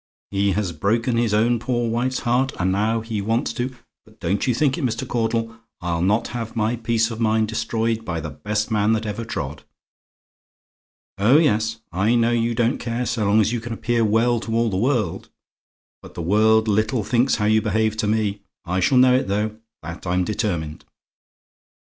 He has broken his own poor wife's heart, and now he wants to but don't you think it, Mr. Caudle; I'll not have my peace of mind destroyed by the best man that ever trod. Oh, yes! I know you don't care so long as you can appear well to all the world, but the world little thinks how you behave to me. It shall know it, though that I'm determined.